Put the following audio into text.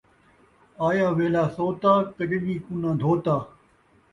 آیا ویلھا سوتا، کچڄی کناں دھوتا